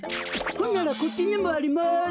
ほんならこっちにもあります。